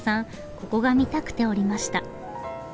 ここが見たくて降りました。